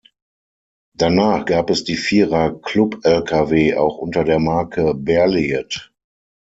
Danach gab es die Vierer-Club-Lkw auch unter der Marke Berliet.